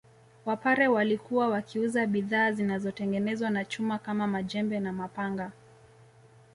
Wapare walikuwa wakiuza bidhaa zinazotengenezwa na chuma kama majembe na mapanga